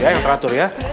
ya yang teratur ya